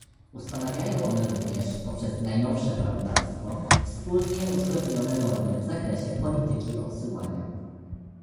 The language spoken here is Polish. Ustanawiają one również, poprzez najnowsze prawodawstwo, wspólnie uzgodnione normy w zakresie polityki odsyłania